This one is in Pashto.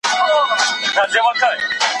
افغان ځوانان بهر ته د سفر ازادي نه لري.